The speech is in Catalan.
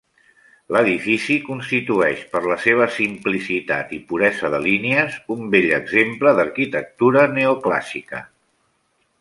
L'edifici constitueix, per la seva simplicitat i puresa de línies, un bell exemple d'arquitectura neoclàssica.